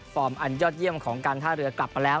อันยอดเยี่ยมของการท่าเรือกลับมาแล้ว